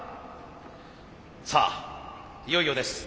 さあいよいよです。